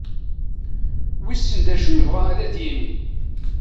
Wissen d acu i yebɣa ad d-yini?